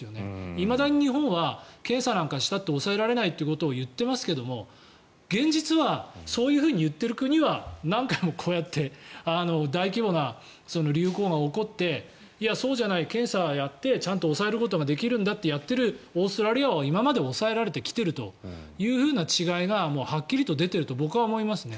いまだに日本は検査なんかしたって抑えられないということをいっていますけれども現実はそういうふうに言っている国は何回もこうやって大規模な流行が起こってそうじゃない検査をやってちゃんと抑えることができるんだって、やっているオーストラリアは今まで抑えられてきているという違いがもうはっきりと出ていると僕は思いますね。